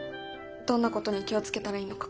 どんなことに気を付けたらいいのか。